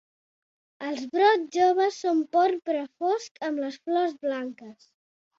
Els brots joves són porpra fosc amb les flors blanques.